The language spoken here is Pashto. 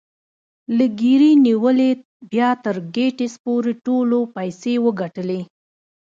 له ګيري نيولې بيا تر ګيټس پورې ټولو پيسې وګټلې.